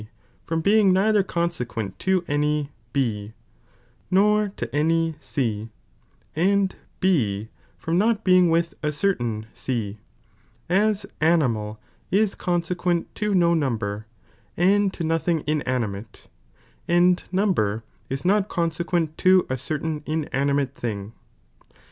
ime, I irom being neither consequent to any B nor to ^''"' I any C, and B from not being with a certain C, as animal is Mueqnent to no number, and to nothing inanimate, and num ber is not consequent to a certain inanimate thing.